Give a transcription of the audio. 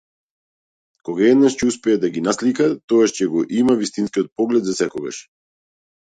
Кога еднаш ќе успее да ги наслика, тогаш ќе го има вистинскиот поглед засекогаш.